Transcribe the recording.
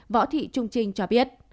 võ thị trung trinh cho biết